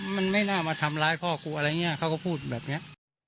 มันไม่น่ามาทำร้ายพ่อกูอะไรอย่างนี้เขาก็พูดแบบนี้